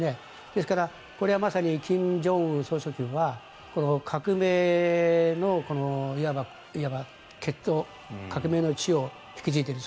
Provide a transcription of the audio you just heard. ですからこれはまさに金正恩総書記は革命のいわば血統、革命の血を引き継いでいる。